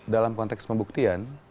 dalam konteks pembuktian